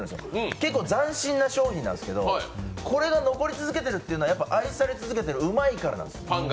結構、斬新な商品なんですけど、これが残り続けているというのは愛され続けてるうまいからなんですよ。